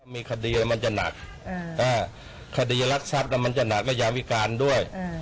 มีคดีแล้วมันจะหนักคดีรักทรัพย์มันจะหนักและยาวิการด้วย